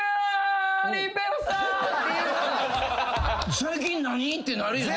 最近何？ってなるよね。